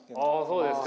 そうですか。